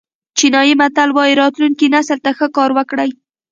چینایي متل وایي راتلونکي نسل ته ښه کار وکړئ.